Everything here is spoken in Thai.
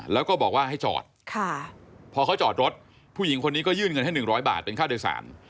แล้วก็บอกว่าให้จอดพอเขาจอดรถผู้หญิงคนนี้ก็ยื่นเงินให้๑๐๐บาทเป็นค่าโดยสาร